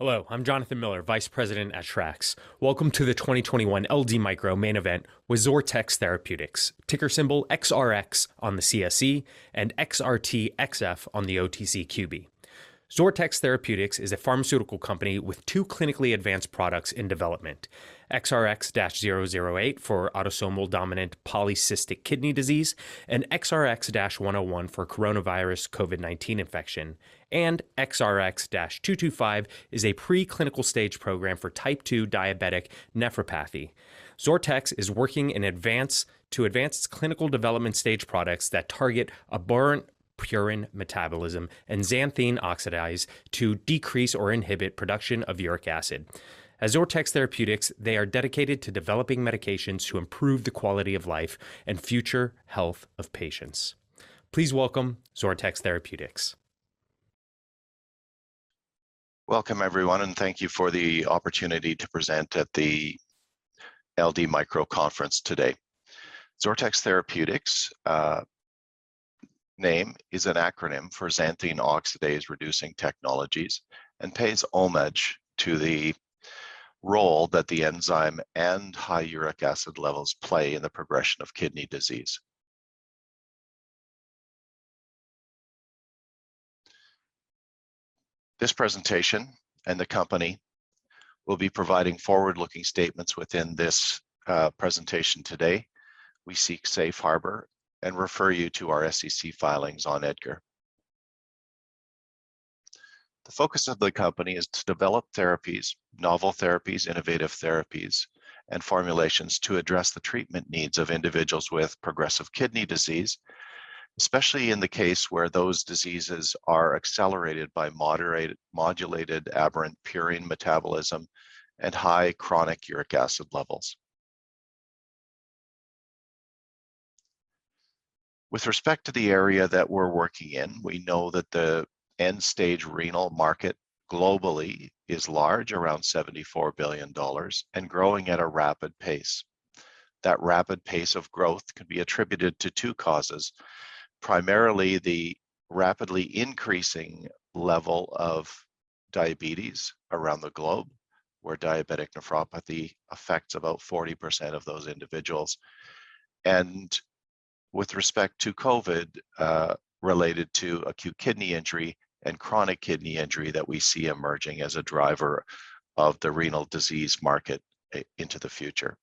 Hello, I'm Jonathan Miller, Vice President at SRAX. Welcome to the 2021 LD Micro Main Event with XORTX Therapeutics, ticker symbol XRX on the CSE and XRTXF on the OTCQB. XORTX Therapeutics is a pharmaceutical company with two clinically advanced products in development, XRx-008 for Autosomal Dominant Polycystic Kidney Disease and XRx-101 for coronavirus COVID-19 infection, and XRx-225 is a pre-clinical stage program for type 2 diabetic nephropathy. XORTX is working to advance its clinical development stage products that target aberrant purine metabolism and xanthine oxidase to decrease or inhibit production of uric acid. At XORTX Therapeutics, they are dedicated to developing medications to improve the quality of life and future health of patients. Please welcome XORTX Therapeutics. Welcome, everyone. Thank you for the opportunity to present at the LD Micro Conference today. XORTX Therapeutics' name is an acronym for xanthine oxidase-reducing technologies, and pays homage to the role that the enzyme and high uric acid levels play in the progression of kidney disease. This presentation and the company will be providing forward-looking statements within this presentation today. We seek safe harbor and refer you to our SEC filings on EDGAR. The focus of the company is to develop therapies, novel therapies, innovative therapies, and formulations to address the treatment needs of individuals with progressive kidney disease, especially in the case where those diseases are accelerated by modulated aberrant purine metabolism and high chronic uric acid levels. With respect to the area that we're working in, we know that the end-stage renal market globally is large, around $74 billion, and growing at a rapid pace. That rapid pace of growth can be attributed to two causes. Primarily, the rapidly increasing level of diabetes around the globe, where diabetic nephropathy affects about 40% of those individuals. With respect to COVID, related to acute kidney injury and chronic kidney injury that we see emerging as a driver of the renal disease market into the future.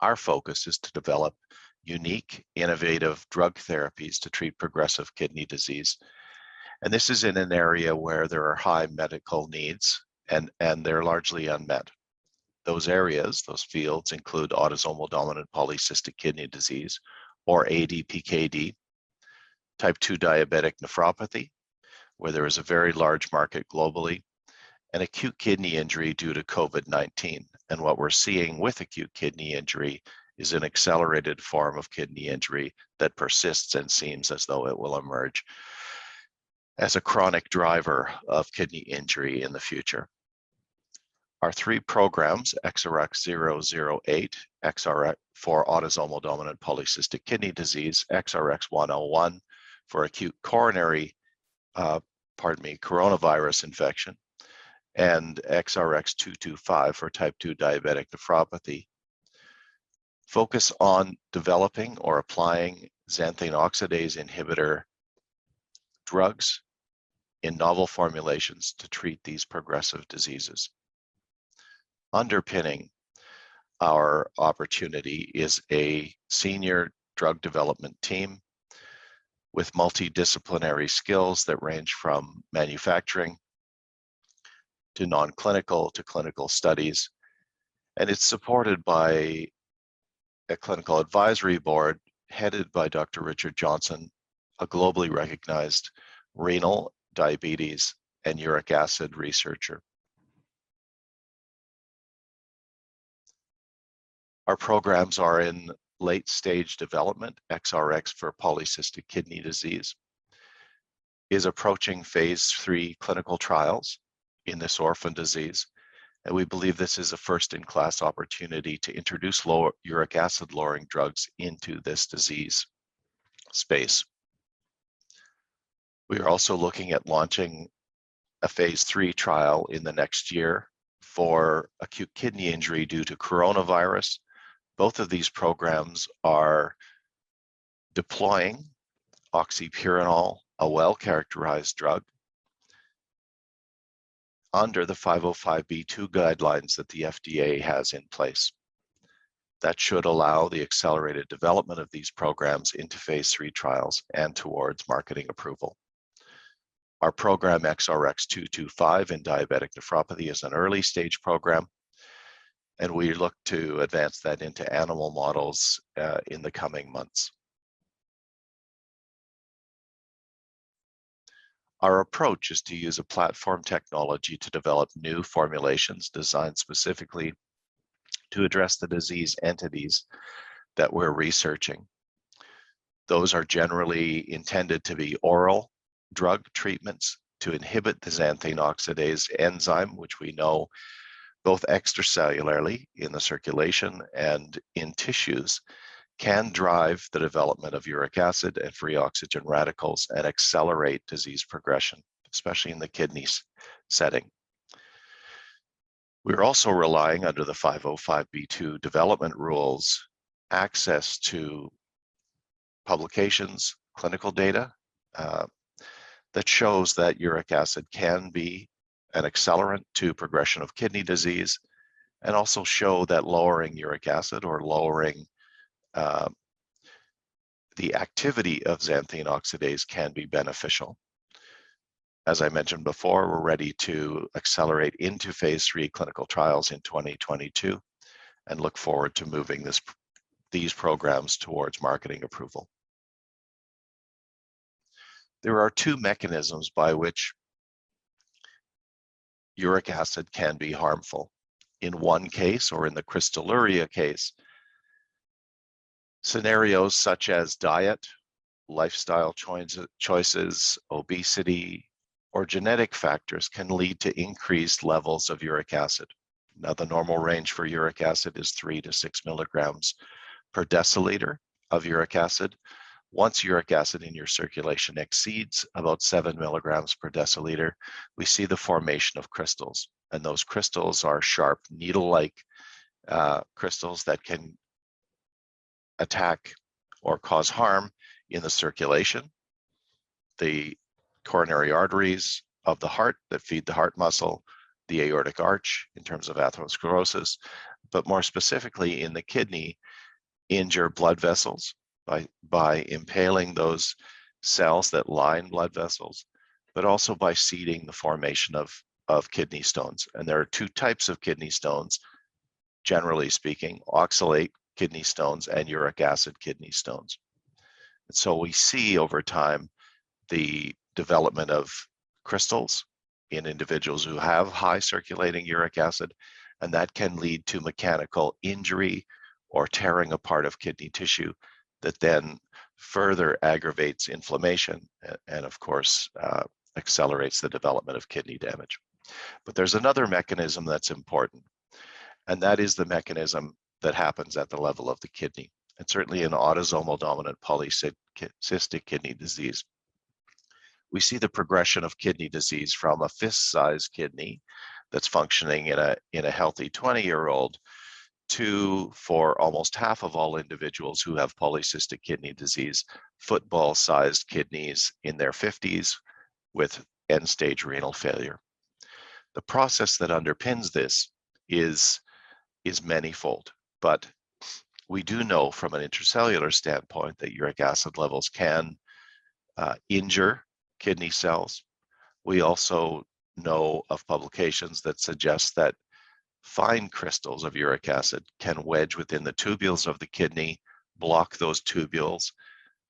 Our focus is to develop unique, innovative drug therapies to treat progressive kidney disease, and this is in an area where there are high medical needs, and they're largely unmet. Those areas, those fields, include Autosomal Dominant Polycystic Kidney Disease, or ADPKD, Type 2 Diabetic Nephropathy, where there is a very large market globally, and acute kidney injury due to COVID-19. What we're seeing with acute kidney injury is an accelerated form of kidney injury that persists and seems as though it will emerge as a chronic driver of kidney injury in the future. Our three programs, XRx-008 for Autosomal Dominant Polycystic Kidney Disease, XRx-101 for coronavirus infection, and XRx-225 for type 2 diabetic nephropathy, focus on developing or applying xanthine oxidase inhibitor drugs in novel formulations to treat these progressive diseases. Underpinning our opportunity is a senior drug development team with multidisciplinary skills that range from manufacturing to non-clinical to clinical studies, and it's supported by a clinical advisory board headed by Dr. Richard Johnson, a globally recognized renal, diabetes, and uric acid researcher. Our programs are in late-stage development. XRX for polycystic kidney disease is approaching phase III clinical trials in this orphan disease, and we believe this is a first-in-class opportunity to introduce uric acid-lowering drugs into this disease space. We are also looking at launching a phase III trial in the next year for acute kidney injury due to coronavirus. Both of these programs are deploying oxypurinol, a well-characterized drug, under the 505(b)(2) guidelines that the FDA has in place. That should allow the accelerated development of these programs into phase III trials and towards marketing approval. Our program XRx-225 in diabetic nephropathy is an early-stage program, and we look to advance that into animal models in the coming months. Our approach is to use a platform technology to develop new formulations designed specifically to address the disease entities that we're researching. Those are generally intended to be oral drug treatments to inhibit the xanthine oxidase enzyme, which we know both extracellularly in the circulation and in tissues can drive the development of uric acid and free oxygen radicals and accelerate disease progression, especially in the kidneys setting. We're also relying under the 505(b)(2) development rules, access to publications, clinical data, that shows that uric acid can be an accelerant to progression of kidney disease, and also show that lowering uric acid or lowering the activity of xanthine oxidase can be beneficial. As I mentioned before, we're ready to accelerate into phase III clinical trials in 2022 and look forward to moving these programs towards marketing approval. There are two mechanisms by which uric acid can be harmful. In one case, or in the crystalluria case, scenarios such as diet, lifestyle choices, obesity, or genetic factors can lead to increased levels of uric acid. Now, the normal range for uric acid is 3 mg/dL-6 mg/dL of uric acid. Once uric acid in your circulation exceeds about 7 mg/dL, we see the formation of crystals, and those crystals are sharp, needle-like crystals that can attack or cause harm in the circulation, the coronary arteries of the heart that feed the heart muscle, the aortic arch in terms of atherosclerosis, but more specifically in the kidney, injure blood vessels by impaling those cells that line blood vessels, but also by seeding the formation of kidney stones. There are two types of kidney stones, generally speaking, oxalate kidney stones and uric acid kidney stones. We see over time the development of crystals in individuals who have high circulating uric acid, and that can lead to mechanical injury or tearing apart of kidney tissue that then further aggravates inflammation and, of course, accelerates the development of kidney damage. There's another mechanism that's important, and that is the mechanism that happens at the level of the kidney. Certainly in Autosomal Dominant Polycystic Kidney Disease, we see the progression of kidney disease from a fist-sized kidney that's functioning in a healthy 20-year-old to, for almost half of all individuals who have Polycystic Kidney Disease, football-sized kidneys in their 50s with end-stage renal failure. The process that underpins this is manyfold, but we do know from an intracellular standpoint that uric acid levels can injure kidney cells. We also know of publications that suggest that fine crystals of uric acid can wedge within the tubules of the kidney, block those tubules,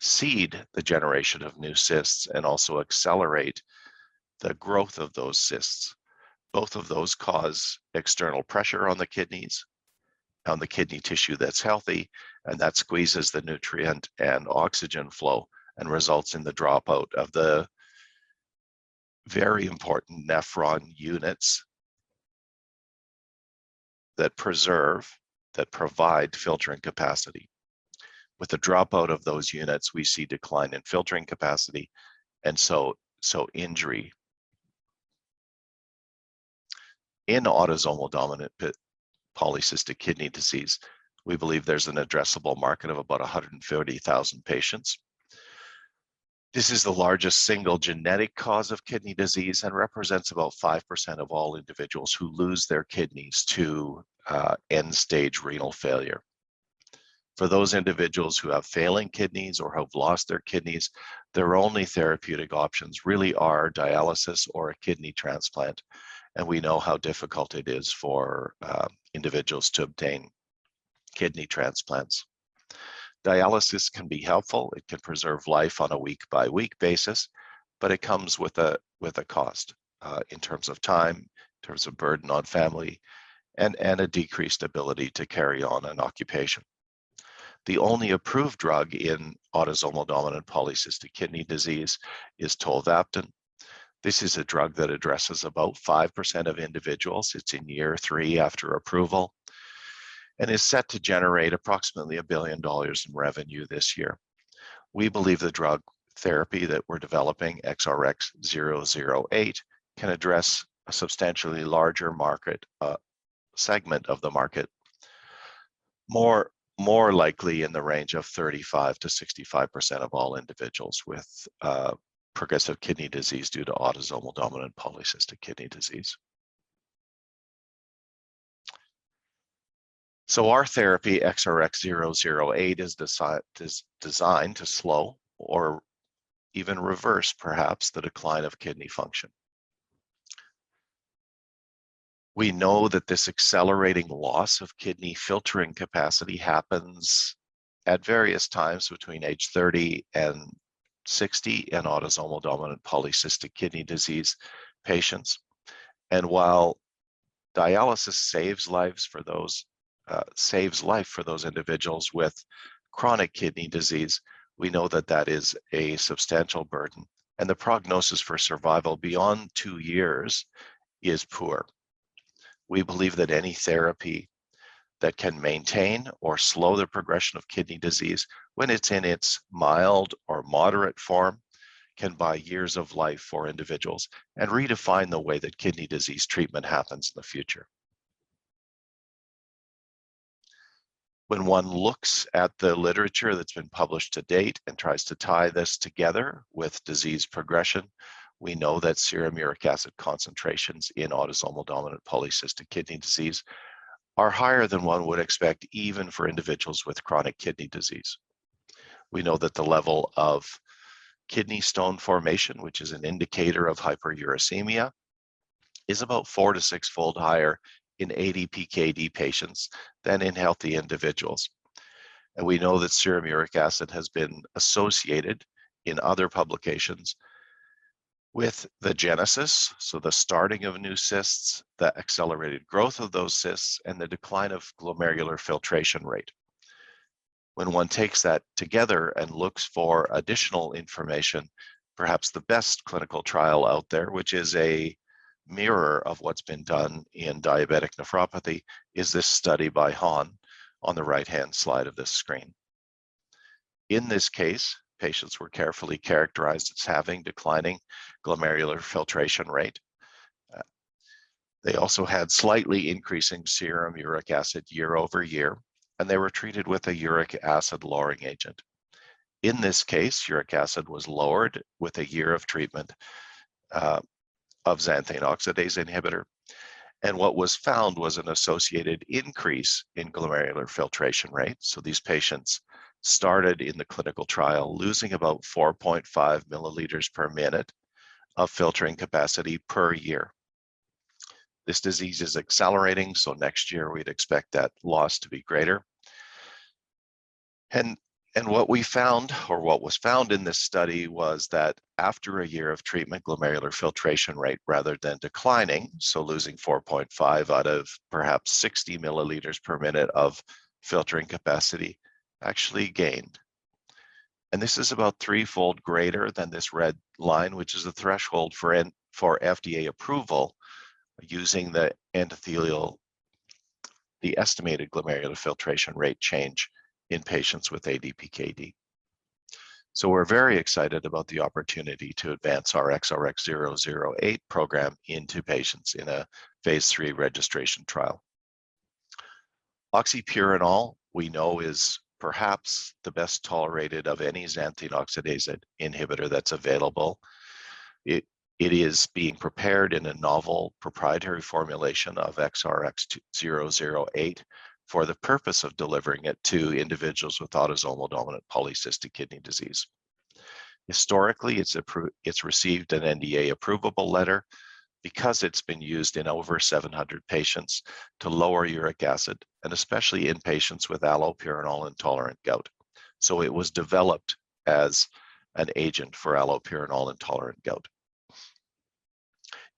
seed the generation of new cysts, and also accelerate the growth of those cysts. Both of those cause external pressure on the kidneys, on the kidney tissue that's healthy, and that squeezes the nutrient and oxygen flow and results in the dropout of the very important nephron units that preserve, that provide filtering capacity. With the dropout of those units, we see decline in filtering capacity and so injury. In Autosomal Dominant Polycystic Kidney Disease, we believe there's an addressable market of about 130,000 patients. This is the largest single genetic cause of kidney disease and represents about 5% of all individuals who lose their kidneys to end-stage renal failure. For those individuals who have failing kidneys or have lost their kidneys, their only therapeutic options really are dialysis or a kidney transplant, and we know how difficult it is for individuals to obtain kidney transplants. Dialysis can be helpful. It can preserve life on a week-by-week basis, but it comes with a cost in terms of time, in terms of burden on family, and a decreased ability to carry on an occupation. The only approved drug in Autosomal Dominant Polycystic Kidney Disease is tolvaptan. This is a drug that addresses about 5% of individuals. It's in year three after approval and is set to generate approximately $1 billion in revenue this year. We believe the drug therapy that we're developing, XRx-008, can address a substantially larger segment of the market, more likely in the range of 35%-65% of all individuals with progressive kidney disease due to Autosomal Dominant Polycystic Kidney Disease. Our therapy, XRx-008, is designed to slow or even reverse perhaps the decline of kidney function. We know that this accelerating loss of kidney filtering capacity happens at various times between age 30 and 60 in Autosomal Dominant Polycystic Kidney Disease patients. While dialysis saves lives for those individuals with chronic kidney disease. We know that that is a substantial burden, and the prognosis for survival beyond two years is poor. We believe that any therapy that can maintain or slow the progression of kidney disease when it's in its mild or moderate form can buy years of life for individuals and redefine the way that kidney disease treatment happens in the future. When one looks at the literature that's been published to date and tries to tie this together with disease progression, we know that serum uric acid concentrations in Autosomal Dominant Polycystic Kidney Disease are higher than one would expect, even for individuals with chronic kidney disease. We know that the level of kidney stone formation, which is an indicator of hyperuricemia, is about 4 to 6-fold higher in ADPKD patients than in healthy individuals. We know that serum uric acid has been associated in other publications with the genesis, so the starting of new cysts, the accelerated growth of those cysts, and the decline of glomerular filtration rate. When one takes that together and looks for additional information, perhaps the best clinical trial out there, which is a mirror of what's been done in diabetic nephropathy, is this study by Han on the right-hand slide of this screen. In this case, patients were carefully characterized as having declining glomerular filtration rate. They also had slightly increasing serum uric acid year-over-year, and they were treated with a uric acid lowering agent. In this case, uric acid was lowered with a year of treatment of xanthine oxidase inhibitor, and what was found was an associated increase in glomerular filtration rate. These patients started in the clinical trial losing about 4.5 mL/min of filtering capacity per year. This disease is accelerating, so next year we'd expect that loss to be greater. What we found, or what was found in this study was that after a year of treatment, glomerular filtration rate, rather than declining, so losing 4.5 out of perhaps 60 milliliters per minute of filtering capacity, actually gained. This is about threefold greater than this red line, which is the threshold for FDA approval using the estimated glomerular filtration rate change in patients with ADPKD. We're very excited about the opportunity to advance our XRx-008 program into patients in a phase III registration trial. oxypurinol, we know is perhaps the best tolerated of any xanthine oxidase inhibitor that's available. It is being prepared in a novel proprietary formulation of XRx-008 for the purpose of delivering it to individuals with autosomal dominant polycystic kidney disease. Historically, it's received an NDA approvable letter because it's been used in over 700 patients to lower uric acid, especially in patients with allopurinol-intolerant gout. It was developed as an agent for allopurinol-intolerant gout.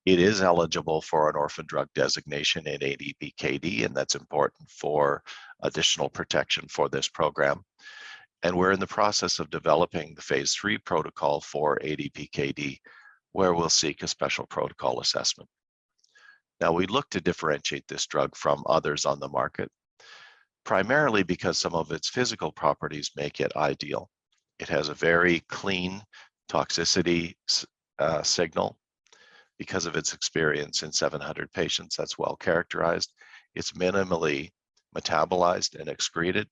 It is eligible for an Orphan Drug Designation in ADPKD, and that's important for additional protection for this program. We're in the process of developing the phase III protocol for ADPKD, where we'll seek a Special Protocol Assessment. Now we look to differentiate this drug from others on the market, primarily because some of its physical properties make it ideal. It has a very clean toxicity signal because of its experience in 700 patients that's well-characterized. It's minimally metabolized and excreted.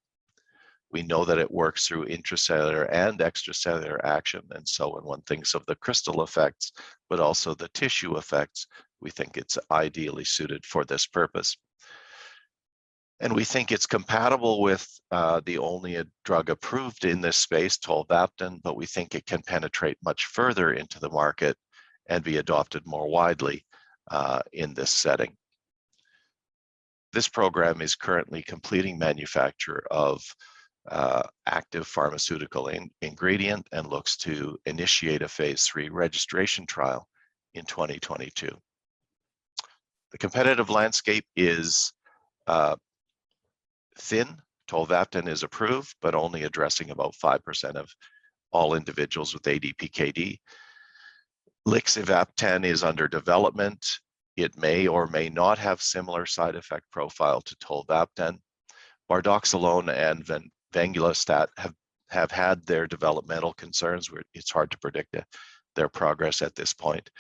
We know that it works through intracellular and extracellular action. When one thinks of the crystal effects but also the tissue effects, we think it's ideally suited for this purpose. We think it's compatible with the only drug approved in this space, tolvaptan, but we think it can penetrate much further into the market and be adopted more widely in this setting. This program is currently completing manufacture of active pharmaceutical ingredient and looks to initiate a phase III registration trial in 2022. The competitive landscape is thin. tolvaptan is approved, but only addressing about 5% of all individuals with ADPKD. lixivaptan is under development. It may or may not have similar side effect profile to tolvaptan. bardoxolone and venglustat have had their developmental concerns where it's hard to predict their progress at this point.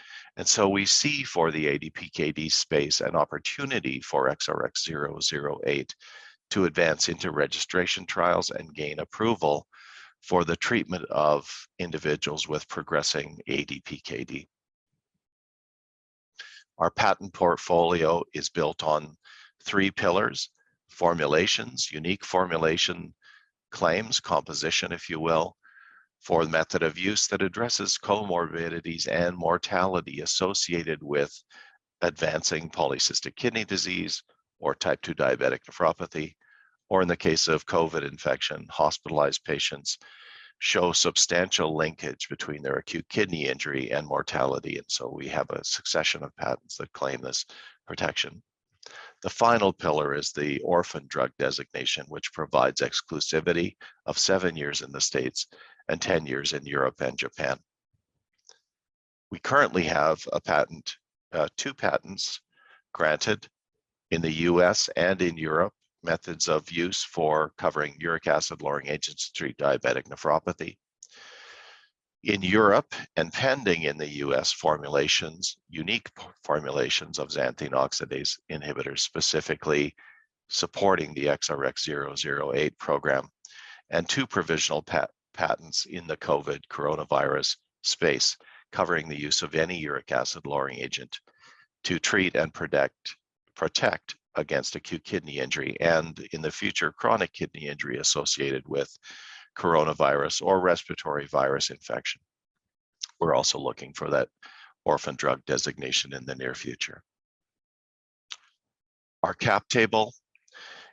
We see for the ADPKD space an opportunity for XRx-008 to advance into registration trials and gain approval for the treatment of individuals with progressing ADPKD. Our patent portfolio is built on three pillars. Formulations, unique formulation claims, composition, if you will, for the method of use that addresses comorbidities and mortality associated with advancing polycystic kidney disease or type 2 diabetic nephropathy or in the case of COVID infection, hospitalized patients show substantial linkage between their acute kidney injury and mortality. We have a succession of patents that claim this protection. The final pillar is the Orphan Drug Designation, which provides exclusivity of seven years in the U.S. and 10 years in Europe and Japan. We currently have two patents granted in the U.S. and in Europe, methods of use for covering uric acid lowering agents to treat diabetic nephropathy. In Europe and pending in the U.S., unique formulations of xanthine oxidase inhibitors, specifically supporting the XRx-008 program, and two provisional patents in the COVID coronavirus space, covering the use of any uric acid lowering agent to treat and protect against acute kidney injury, and in the future, chronic kidney injury associated with coronavirus or respiratory virus infection. We're also looking for that Orphan Drug Designation in the near future. Our cap table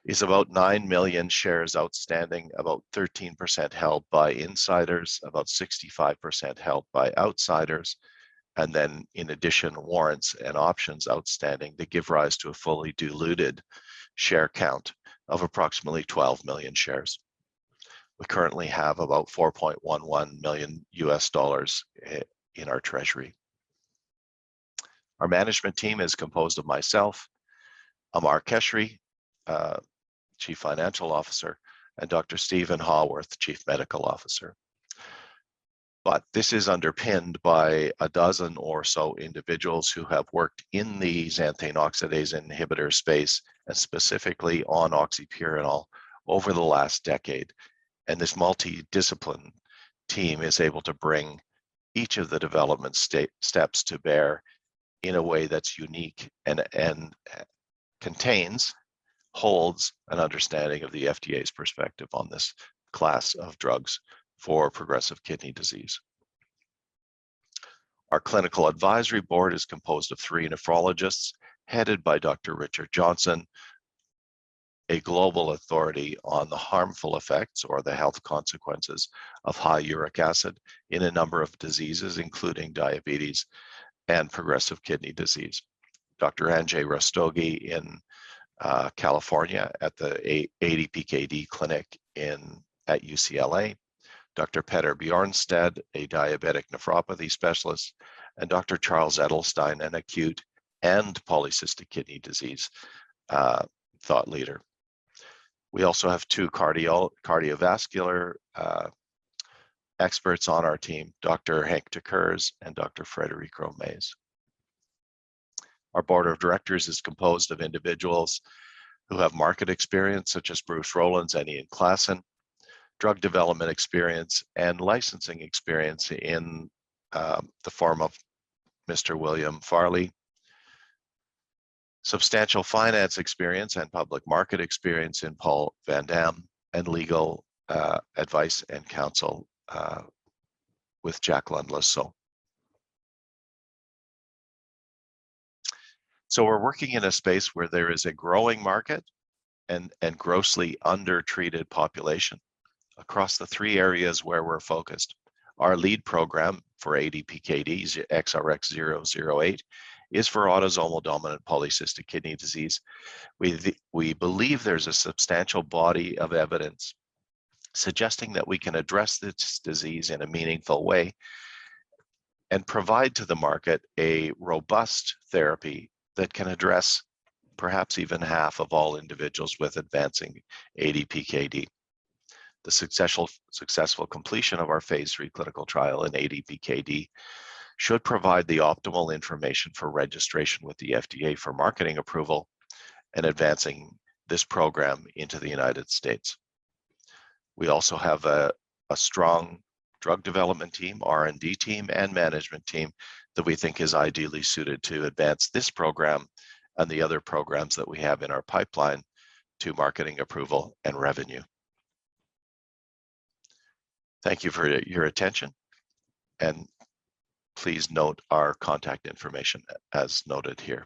is about nine million shares outstanding, about 13% held by insiders, about 65% held by outsiders, and then in addition, warrants and options outstanding that give rise to a fully diluted share count of approximately 12 million shares. We currently have about $4.11 million in our treasury. Our management team is composed of myself, Amar Keshri, Chief Financial Officer, and Dr. Stephen Haworth, Chief Medical Officer. This is underpinned by 12 or so individuals who have worked in the xanthine oxidase inhibitor space, and specifically on oxypurinol over the last decade, and this multidiscipline team is able to bring each of the development steps to bear in a way that's unique and contains, holds an understanding of the FDA's perspective on this class of drugs for progressive kidney disease. Our clinical advisory board is composed of three nephrologists, headed by Dr. Richard Johnson, a global authority on the harmful effects or the health consequences of high uric acid in a number of diseases, including diabetes and progressive kidney disease. Dr. Anjay Rastogi in California at the ADPKD clinic at UCLA, Dr. Petter Bjornstad, a diabetic nephropathy specialist, and Dr. Charles Edelstein, an acute and polycystic kidney disease thought leader. We also have two cardiovascular experts on our team, Dr. Henk Dekkers and Dr. Federico Maese. Our board of directors is composed of individuals who have market experience, such as Bruce Rowlands and Ian Klassen, drug development experience and licensing experience in the form of William Farley, substantial finance experience and public market experience in Paul Van Damme, and legal advice and counsel with Jacqueline Le Saux. We're working in a space where there is a growing market and grossly undertreated population across the three areas where we're focused. Our lead program for ADPKD, XRx-008, is for Autosomal Dominant Polycystic Kidney Disease. We believe there's a substantial body of evidence suggesting that we can address this disease in a meaningful way and provide to the market a robust therapy that can address perhaps even half of all individuals with advancing ADPKD. The successful completion of our phase III clinical trial in ADPKD should provide the optimal information for registration with the FDA for marketing approval and advancing this program into the United States. We also have a strong drug development team, R&D team, and management team that we think is ideally suited to advance this program and the other programs that we have in our pipeline to marketing approval and revenue. Thank you for your attention, and please note our contact information as noted here.